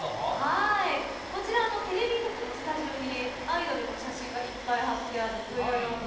こちら、テレビ局のスタジオにアイドルの写真がいっぱい貼ってあるというような。